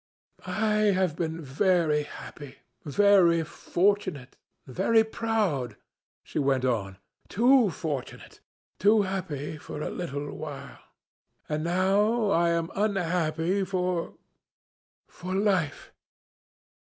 "'I have been very happy very fortunate very proud,' she went on. 'Too fortunate. Too happy for a little while. And now I am unhappy for for life.'